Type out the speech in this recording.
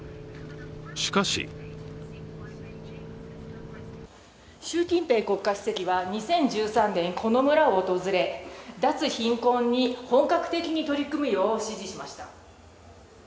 しかし習近平国家主席は２０１３年、この村を訪れ脱貧困に本格的に取り組むよう指示しました。